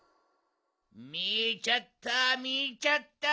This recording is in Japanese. みちゃったみちゃった！